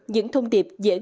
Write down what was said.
những thông điệp dễ ghi nhận